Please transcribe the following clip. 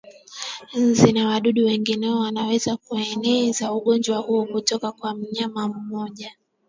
Nzi na wadudu wengineo wanaweza kuueneza ugonjwa huu kutoka kwa mnyama mmoja